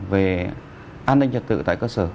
về an ninh trật tự tại cơ sở